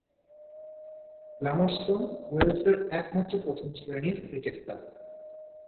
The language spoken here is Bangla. গ্ল্যামারগন ওয়েলসের একমাত্র প্রথম-শ্রেণীর ক্রিকেট ক্লাব।